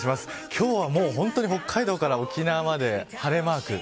今日は本当に北海道から沖縄まで晴れマーク。